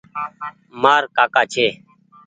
مآر ڪآڪآ ڇي۔